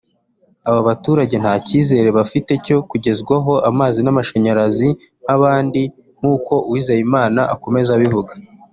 aba baturage nta cyizere bafite cyo kugezwaho amazi n’amashanyarazi nk’abandi nk’uko Uwizeyimana akomeza abivuga